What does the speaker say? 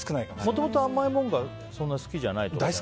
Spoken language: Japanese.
もともと甘いものがそんなに好きじゃない？